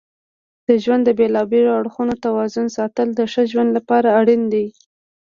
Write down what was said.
د ژوند د بیلابیلو اړخونو توازن ساتل د ښه ژوند لپاره اړین دي.